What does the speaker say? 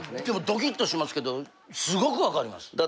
でもドキッとしますけどすごく分かります。